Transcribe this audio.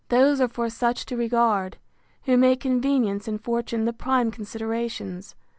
Those are for such to regard, who make convenience and fortune the prime considerations.